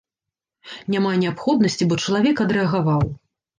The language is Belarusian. Няма неабходнасці, бо чалавек адрэагаваў.